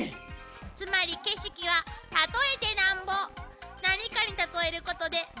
つまり景色は例えてなんぼ。